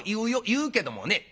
言うけどもね